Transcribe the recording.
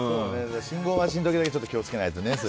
信号待ちの時だけ気を付けないとね。